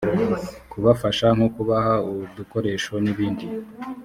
kubafasha nko kubaha udukoresho n’ibindi